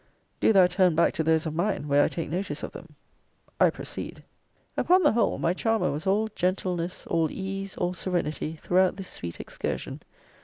Do thou turn back to those of mine, where I take notice of them I proceed Upon the whole, my charmer was all gentleness, all ease, all serenity, throughout this sweet excursion.